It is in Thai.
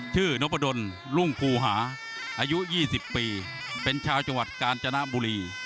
นพดลรุ่งภูหาอายุ๒๐ปีเป็นชาวจังหวัดกาญจนบุรี